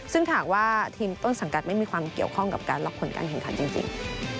ซึ่งหากว่าทีมต้นสังกัดไม่มีความเกี่ยวข้องกับการล็อกผลการแข่งขันจริง